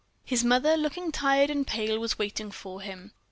His mother, looking pale and tired, was waiting for him.